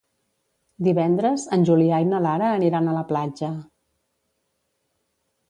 Divendres en Julià i na Lara aniran a la platja.